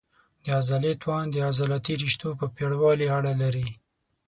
د عضلې توان د عضلاتي رشتو په پېړوالي اړه لري.